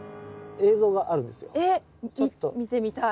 えっ見てみたい。